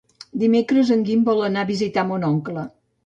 Dimecres en Guim vol anar a visitar mon oncle.